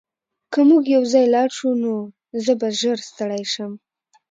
که موږ یوځای لاړ شو نو زه به ژر ستړی شم